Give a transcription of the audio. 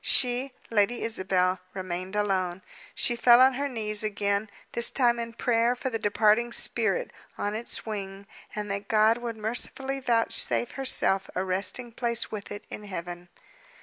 She, Lady Isabel, remained alone. She fell on her knees again, this time in prayer for the departing spirit, on its wing, and that God would mercifully vouchsafe herself a resting place with it in heaven.